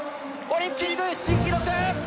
オリンピック新記録！